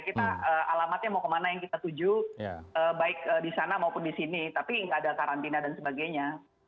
kita alamatnya mau kemana yang kita tuju baik di sana maupun di sini tapi nggak ada karantina dan sebagainya